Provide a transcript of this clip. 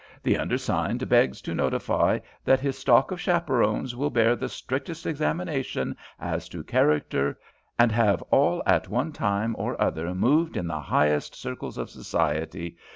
The undersigned begs to notify that his stock of chaperons will bear the strictest examination as to character, and have all at one time or other moved in the highest circles of society.